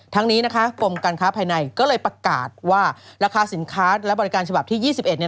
ทั้งนี้นะคะกรมการค้าภายในก็เลยประกาศว่าราคาสินค้าและบริการฉบับที่๒๑เนี่ย